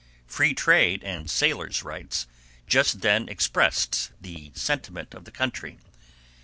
"Free trade and sailors' rights" just then expressed the sentiment of the country.